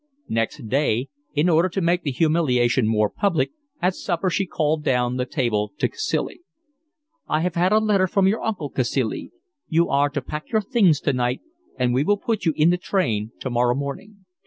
Next day, in order to make the humiliation more public, at supper she called down the table to Cacilie. "I have had a letter from your uncle, Cacilie. You are to pack your things tonight, and we will put you in the train tomorrow morning.